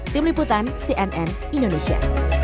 tim liputan cnn indonesia